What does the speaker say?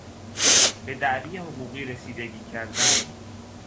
به دعوی حقوقی رسیدگی کردن